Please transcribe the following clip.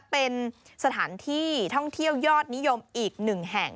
เป็นสถานที่ท่องเที่ยวยอดนิยมอีกหนึ่งแห่ง